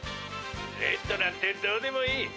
「レッドなんてどうでもいい。